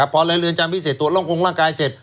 พอเลยเรือนจำพิเศษตรวจร่องกงร่างกายเสร็จ